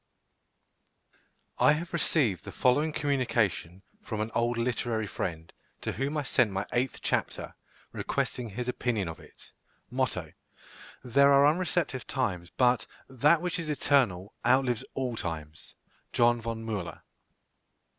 I have received the following communication from an old literary friend, to whom I sent my eighth chapter, requesting his opinion of it: MOTTO. There are unreceptive times, but that which is eternal outlives all times. JOH. VON MÜLLER.